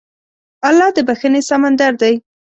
الله د بښنې سمندر دی.